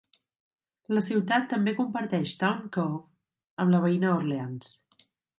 La ciutat també comparteix Town Cove amb la veïna Orleans.